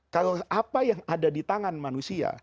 kalau apa yang ada di tangan manusia